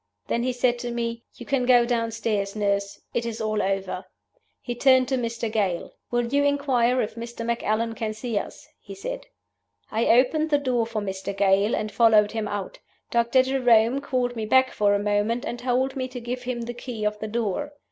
Then he said to me, 'You can go downstairs, nurse: it is all over.' He turned to Mr. Gale. 'Will you inquire if Mr. Macallan can see us?' he said. I opened the door for Mr. Gale, and followed him out. Doctor Jerome called me back for a moment, and told me to give him the key of the door.